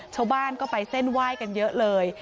ชาวบ้านก็ไปเส้นไหว้กันเยอะเลย